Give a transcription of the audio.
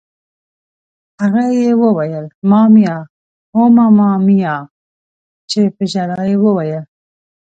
هغه یې ویل: مامیا! اوه ماما میا! چې په ژړا یې وویل.